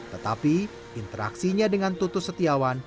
tetapi interaksinya dengan tutus setiawan